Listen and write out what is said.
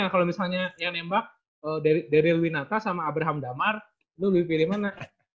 kalau misalnya yang nembak daryl winata sama abraham damar lu lebih pilih mana